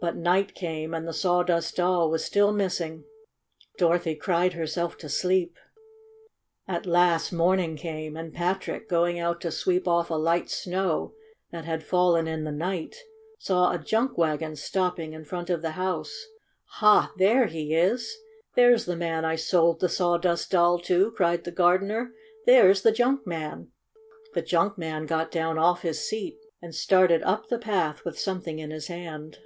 But night came, and the Sawdust Doll was still missing. Dorothy cried herself to sleep. At last morning came, and Patrick, go ing out to sweep off a light snow that had fallen in the night, saw a junk wagon stop ping in front of the house. "Ha, there he is! There's the man I sold the Sawdust Doll to!" cried the gardener. '* There 's the j unk man!" The junk man got down off his seat and started up the path with something in his hand.